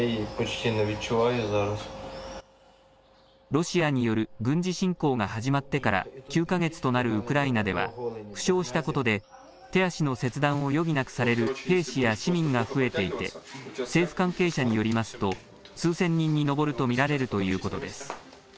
ロシアによる軍事侵攻が始まってから９か月となるウクライナでは負傷したことで手足の切断を余儀なくされる兵士や市民が増えていて政府関係者によりますと数千人に上ると見られるということです。